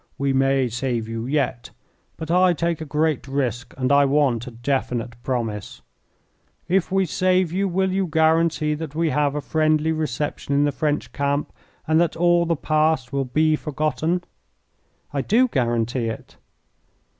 We may save you yet. But I take a great risk, and I want a definite promise. If we save you, will you guarantee that we have a friendly reception in the French camp and that all the past will be forgotten?" "I do guarantee it."